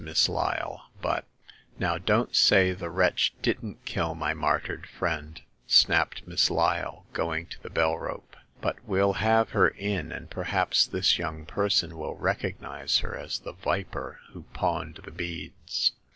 Miss Lyle, but '• "Now, don't say the wretch didn't kill my martyred friend," snapped Miss Lyle, going to the bell rope ;but well have her in, and per haps this young person will recognize her as the viper who pawned the beads."